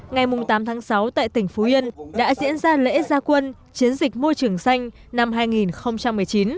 ngày tám tháng sáu tại tỉnh phú yên đã diễn ra lễ gia quân chiến dịch môi trường xanh năm hai nghìn một mươi chín